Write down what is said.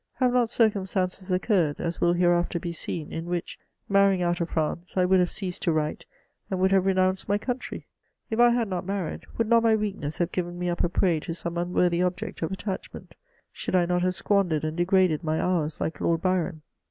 Have not circumstances occurred (as will hereafter be seen) in which, marrying out of France, I would have ceased to write, and would have renounced my country ? If I had not married, would not my weakness have given me up a prey to some xm worthy object of attachment ? Should I not have squandejred and degraded my hours like Lord Byron